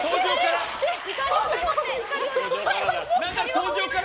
登場から。